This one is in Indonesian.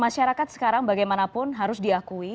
masyarakat sekarang bagaimanapun harus diakui